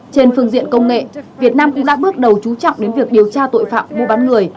trên phương diện công nghệ việt nam cũng đã bước đầu chú trọng đến việc điều tra tội phạm mua bán người